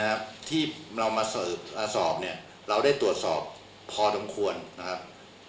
นะครับที่เรามาสืบมาสอบเนี่ยเราได้ตรวจสอบพอสมควรนะครับ